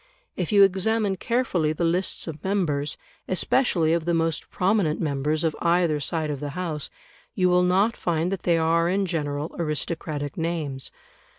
If you examine carefully the lists of members, especially of the most prominent members, of either side of the House, you will not find that they are in general aristocratic names.